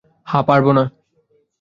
হ্যাঁ, পারব না।